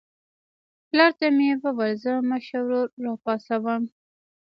پلار ته مې وویل زه مشر ورور راپاڅوم.